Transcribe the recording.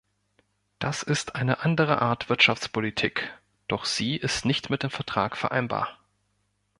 Das ist eine andere Art Wirtschaftspolitik, doch sie ist nicht mit dem Vertrag vereinbar.